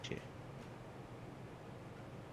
এক, দুই, তিন, কি হচ্ছে?